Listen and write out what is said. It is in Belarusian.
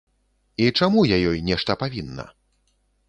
І чаму я ёй нешта павінна?